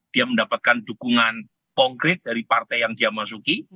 dia mendapatkan dukungan konkret dari partai yang dia masuki